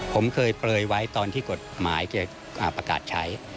ผมเคยเปลยไว้ตอนที่กฎหมายจะประกาศใช้